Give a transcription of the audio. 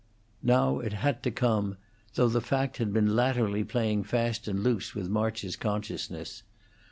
Now it had to come, though the fact had been latterly playing fast and loose with March's consciousness.